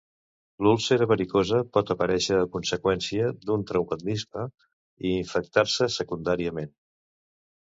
L'úlcera varicosa pot aparèixer a conseqüència d'un traumatisme i infectar-se secundàriament.